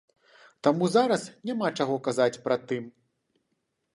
Таму зараз няма чаго казаць пра тым.